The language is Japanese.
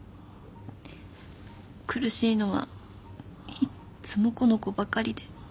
苦しいのはいっつもこの子ばかりで。